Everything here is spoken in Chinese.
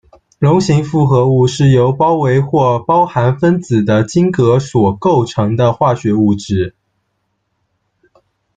笼形复合物是由包围或包含分子的晶格所构成的化学物质。